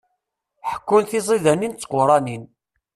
Ḥekkun tizidanin d tquranin.